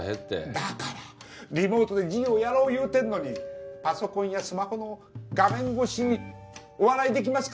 だからリモートで授業やろう言うてんのに「パソコンやスマホの画面越しにお笑いできますか？」